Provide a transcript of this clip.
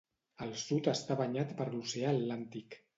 Al sud està banyat per l'oceà Atlàntic.